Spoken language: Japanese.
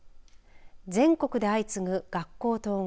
全国で相次ぐ学校統合。